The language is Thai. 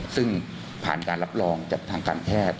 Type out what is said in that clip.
ซึ่งผ่านการรับรองจากทางการแพทย์